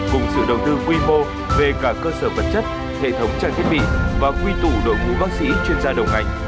cùng sự đầu tư quy mô về cả cơ sở vật chất hệ thống trang thiết bị và quy tụ đội ngũ bác sĩ chuyên gia đầu ngành